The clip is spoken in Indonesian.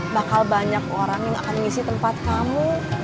bakal banyak orang yang akan mengisi tempat kamu